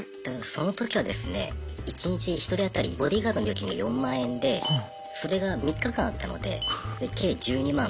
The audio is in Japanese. その時はですね一日１人当たりボディーガードの料金が４万円でそれが３日間あったので計１２万。